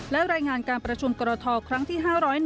และรายงานการประชุมกรทครั้งที่๕๐๑